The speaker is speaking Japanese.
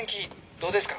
どうですか？